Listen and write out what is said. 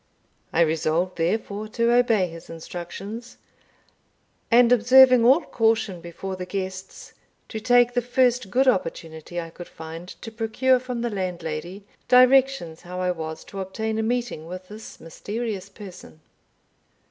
I resolved, therefore, to obey his instructions; and, observing all caution before the guests, to take the first good opportunity I could find to procure from the landlady directions how I was to obtain a meeting with this mysterious person.